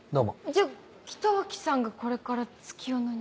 じゃあ北脇さんがこれから月夜野に？